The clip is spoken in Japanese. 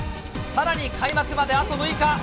さらに開幕まであと６日。